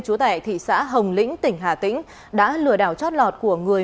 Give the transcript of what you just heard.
trú tại thị xã hồng lĩnh tỉnh hà tĩnh đã lừa đảo chót lọt của người